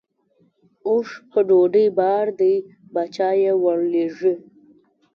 اوښ په ډوډۍ بار دی باچا یې ورلېږي.